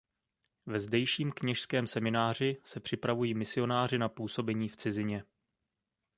Ve zdejším kněžském semináři se připravují misionáři na působení v cizině.